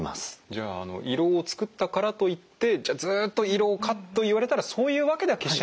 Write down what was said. じゃあ胃ろうを作ったからといってじゃあずっと胃ろうかといわれたらそういうわけでは決してないと。